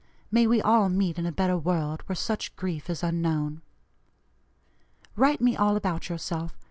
May we all meet in a better world, where such grief is unknown. Write me all about yourself.